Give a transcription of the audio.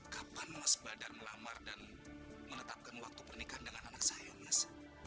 kapan mas badar melamar dan menetapkan waktu pernikahan dengan anak saya mas